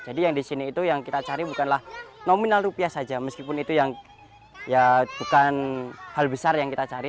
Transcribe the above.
yang di sini itu yang kita cari bukanlah nominal rupiah saja meskipun itu yang ya bukan hal besar yang kita cari